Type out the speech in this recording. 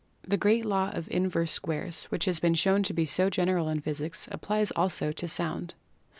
The great law of Inverse Squares which has been shown to be so general in physics applies also to Sound.